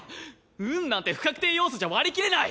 運なんて不確定要素じゃ割り切れない！